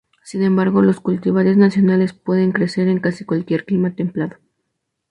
Sin embargo los cultivares nacionales pueden crecer en casi cualquier clima templado.